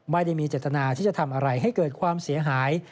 ไม่ได้มีเจตนาที่จะทำอะไรให้เกิดความเสียหาย